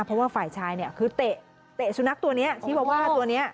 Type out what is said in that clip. เพราะว่าฝ่ายชายเนี้ยคือเตะตัวนี้ที่ว่าว่าตัวเนี้ย